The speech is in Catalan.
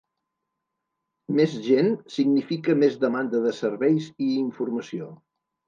Més gent significa més demanda de serveis i informació.